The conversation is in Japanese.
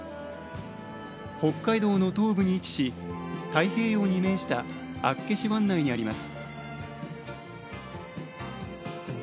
北海道の東部に位置し太平洋に面した厚岸湾内にあります。